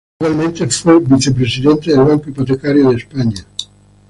Igualmente fue Vicepresidente del Banco Hipotecario de España.